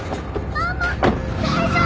大丈夫？